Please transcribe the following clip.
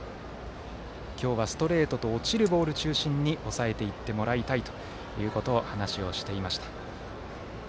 今日はストレートと落ちるボール中心に抑えていってもらいたいと話をしていました。